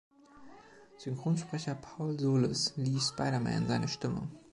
Synchronsprecher Paul Soles lieh Spider-Man seine Stimme.